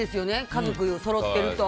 家族そろっていると。